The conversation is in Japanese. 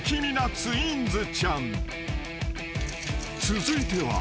［続いては］